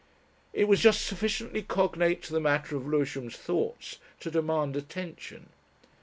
It was just sufficiently cognate to the matter of Lewisham's thoughts to demand attention.